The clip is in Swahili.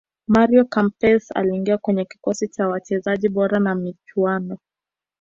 mario kempes aliingia kwenye kikosi cha wachezaji bora wa michuano